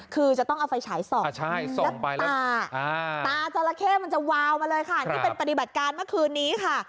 คือจะต้องเอาไฟฉายส่องแล้วตาตาจราเข้มันจะวาวมาเลยค่ะนี่เป็นปฏิบัติการเมื่อคืนนี้ค่ะ